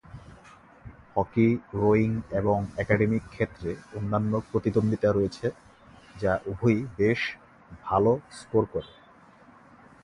Hockey, rowing এবং academic ক্ষেত্রে অন্যান্য প্রতিদ্বন্দ্বিতা রয়েছে, যা উভয়ই বেশ ভাল স্কোর করে।